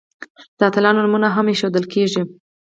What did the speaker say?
د اتلانو نومونه هم ایښودل کیږي.